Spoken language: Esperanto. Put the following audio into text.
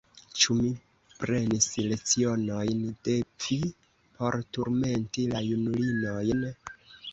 Ĉu mi prenis lecionojn de vi por turmenti la junulinojn?